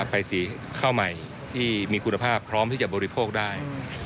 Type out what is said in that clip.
ไปสีข้าวใหม่ที่มีคุณภาพพร้อมที่จะบริโภคได้